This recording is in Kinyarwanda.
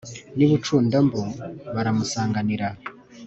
n'i bucunda-mbu baramusanganira.